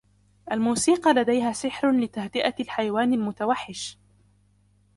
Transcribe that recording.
الموسيقى لديها سحر لتهدئة الحيوان المتوحش.